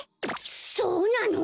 そうなの！？